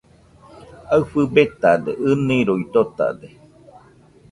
Aɨfɨ betade, ɨniroi dotade